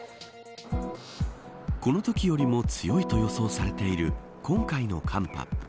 このときよりも強いと予想されている今回の寒波。